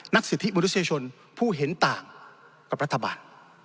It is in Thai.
สิทธิมนุษยชนผู้เห็นต่างกับรัฐบาล